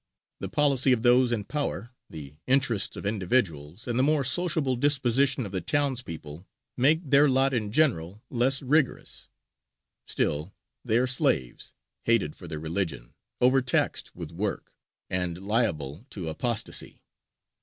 The policy of those in power, the interests of individuals, and the more sociable disposition of the townspeople, make their lot in general less rigorous: still they are slaves, hated for their religion, overtaxed with work, and liable to apostasy.